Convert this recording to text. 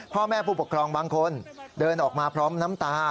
พ่อแม่ผู้ปกครองบางคนเดินออกมาพร้อมน้ำตา